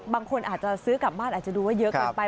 บางคนอาจจะซื้อกลับบ้านอาจจะดูว่าเยอะเกินไป